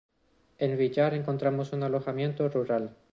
En Villar encontramos un alojamiento rural.